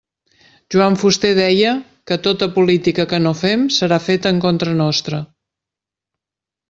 Joan Fuster deia que “tota política que no fem serà feta en contra nostra”.